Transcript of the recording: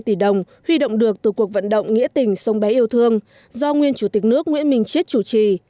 bảy mươi hai tỷ đồng huy động được từ cuộc vận động nghĩa tình sông bé yêu thương do nguyên chủ tịch nước nguyễn minh chiết chủ trì